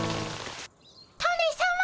タネさま。